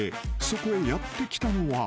［そこへやって来たのは］